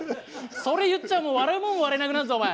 それ言っちゃもう笑うもんも笑えなくなるぞお前。